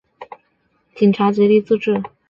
警察极力自制